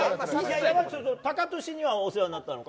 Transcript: タカトシにはお世話になったのか？